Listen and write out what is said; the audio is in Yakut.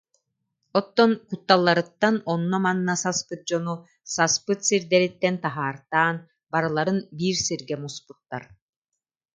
Оттон кутталларыттан онно-манна саспыт дьону саспыт сирдэриттэн таһаартаан, барыларын биир сиргэ муспуттар